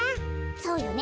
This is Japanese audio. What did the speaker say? そうよね。